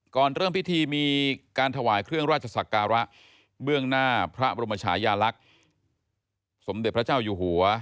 เริ่มพิธีมีการถวายเครื่องราชศักระเบื้องหน้าพระบรมชายาลักษณ์สมเด็จพระเจ้าอยู่หัว